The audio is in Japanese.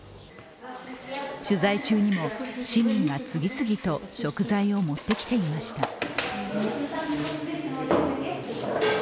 取材中にも、市民が次々と食材を持ってきていました。